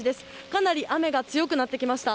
かなり雨が強くなってきました。